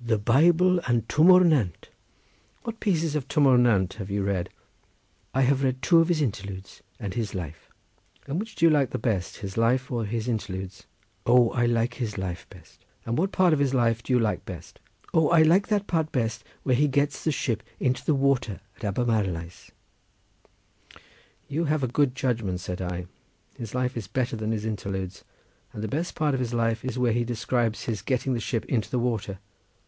"The Bible and Twm O'r Nant." "What pieces of Twm O'r Nant have you read?" "I have read two of his interludes and his life." "And which do you like best—his life or his interludes." "O, I like his life best." "And what part of his life do you like best?" "O, I like that part best where he gets the ship into the water at Abermarlais." "You have a good judgment," said I; "his life is better than his interludes, and the best part of his life is where he describes his getting the ship into the water.